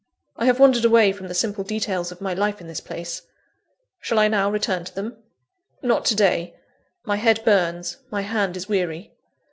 I have wandered away from the simple details of my life in this place. Shall I now return to them? Not to day; my head burns, my hand is weary.